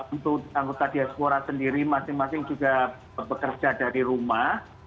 untuk anggota diaspora sendiri masing masing juga bekerja dari rumah